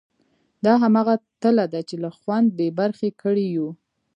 دا همغه تله ده چې له خوند بې برخې کړي یو.